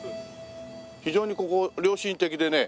非常にここ良心的でね。